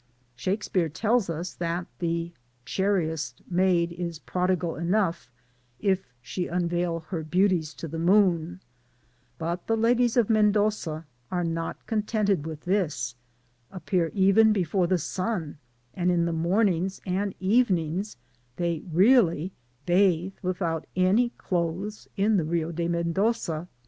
Shakspeare tells us, that " th^ chariest maid is prodigal enough if she unveil her beauties to the moon,'' but the ladies of Mendoza^ not contented with this, appear even before the sun ; and in the mornings and evenings they really bathe without any clothes in the Rio de Mendoza, Digitized byGoogk id MENDOZA.